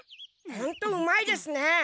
ほんとうまいですね！